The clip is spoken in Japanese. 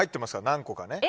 何個かね。